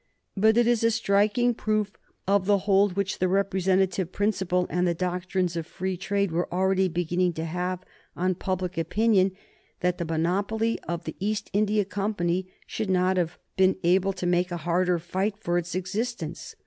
But it is a striking proof of the hold which the representative principle and the doctrines of free trade were already beginning to have on public opinion that the monopoly of the East India Company should not have been able to make a harder fight for its existence.